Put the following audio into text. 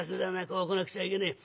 こうこなくちゃいけねえ。